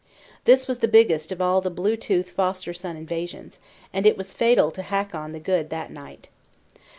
This was the biggest of all the Blue tooth foster son invasions; and it was fatal to Hakon the Good that night.